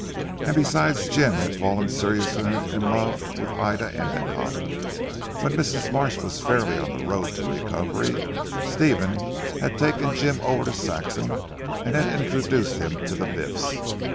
And besides Jim had fallen seriously in love with Ida Endicotte. When Mrs. Marsh was fairly on the road to recovery, Stephen had taken Jim over to Saxham and introduced him to the Biffs.